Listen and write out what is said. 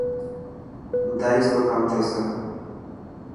ٻڌائيس تو ڪم ٿيي.